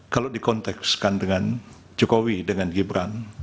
kalau dikontekskan dengan jokowi dengan gibran